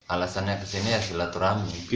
alasannya kesini ya silaturahmi